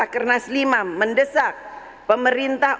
tiga belas rakyat kernas lima partai mendesak pemerintah